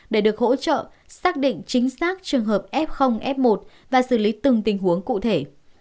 để được hỗ trợ xác định chính xác trường hợp f f một và xử lý từng tình huống cụ thể